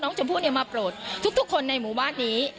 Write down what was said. ชมพู่มาโปรดทุกคนในหมู่บ้านนี้